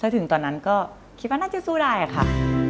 ถึงตอนนั้นก็คิดว่าน่าจะสู้ได้ค่ะ